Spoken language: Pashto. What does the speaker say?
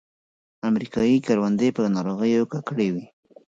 امریکایي کروندې په ناروغیو ککړې وې.